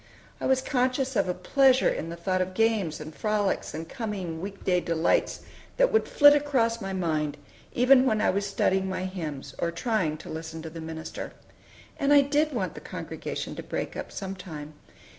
I was conscious of a pleasure in the thought of games and frolics and coming week day delights that would flit across my mind even when I was studying my hymns, or trying to listen to the minister. And I did want the congregation to break up some time.